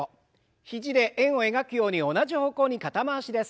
肘で円を描くように同じ方向に肩回しです。